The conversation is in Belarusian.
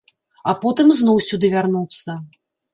А потым ізноў сюды вярнуцца.